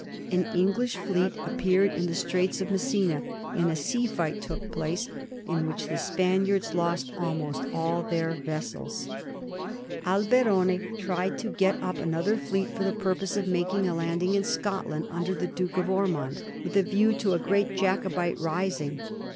An English fleet appeared in the Straits of Messina, and a sea fight took place in Digiti zed by Google 212 A mSTORY OF THE POUR GEORGES. ch,ix. which the Spaniards lost almost all their vessels. Alberoni tried to get up another fleet for the purpose of making a landing in Scotland under the Duke of Ormond, with a view to a great Jacobite rising.